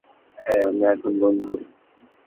হ্যাঁ, আমরা এখন বন্ধু।